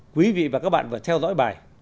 quý vị và các bạn vừa theo dõi bài